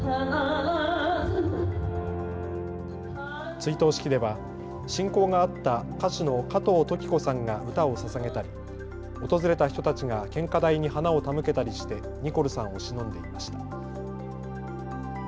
追悼式では親交があった歌手の加藤登紀子さんが歌をささげたり訪れた人たちが献花台に花を手向けたりしてニコルさんをしのんでいました。